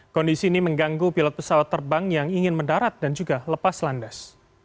kondisi ini mengganggu pilot pesawat terbang yang ingin mendarat dan juga lepas landas